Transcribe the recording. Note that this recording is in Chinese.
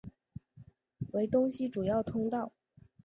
为东西主要通道。